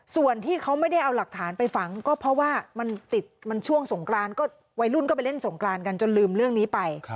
ส่วนที่เขาไม่ได้เอาหลักฐานไปฝังก็เพราะว่ามันติดมันช่วงสงกรานก็วัยรุ่นก็ไปเล่นสงกรานกันจนลืมเรื่องนี้ไป